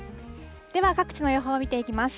では、各地の予報を見ていきます。